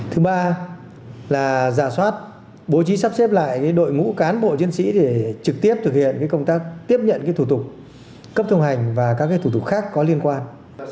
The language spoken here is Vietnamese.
thứ ba là giả soát bố trí sắp xếp lại đội ngũ cán bộ chiến sĩ để trực tiếp thực hiện công tác tiếp nhận thủ tục cấp thông hành và các thủ tục khác có liên quan